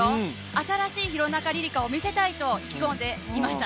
新しい廣中璃梨佳を見せたいと意気込んでいました。